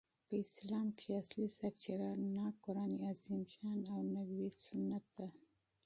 په اسلام کښي اصلي سرچینه قران عظیم الشان او نبوي سنت ده.